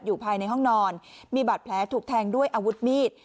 อยู่ในห้องนอนมีบาดแผลถูกแทงด้วยอาวุธมีด